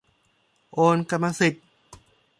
โอนกรรมสิทธิ์